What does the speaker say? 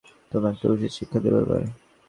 তোমায় একটা উচিত শিক্ষা দেবো এবার।